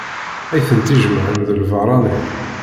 Ay tent-ijemεen d lbeṛṛani.